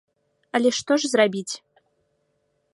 Але што ж зрабіць?